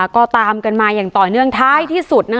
ก็ตามกันมาอย่างต่อเนื่องท้ายที่สุด